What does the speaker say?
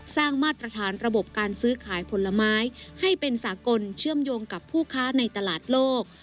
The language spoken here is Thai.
มาตรฐานระบบการซื้อขายผลไม้ให้เป็นสากลเชื่อมโยงกับผู้ค้าในตลาดโลก